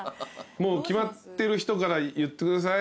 もう決まってる人から言ってください。